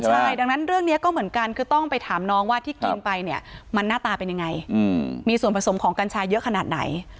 ใช่ดังนั้นเรื่องนี้ก็เหมือนกันคือต้องไปถามน้องว่าที่กินไปเนี่ยมันหน้าตาเป็นยังไงมีส่วนผสมของกัญชาเยอะขนาดไหน